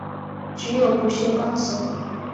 只有不锈钢型。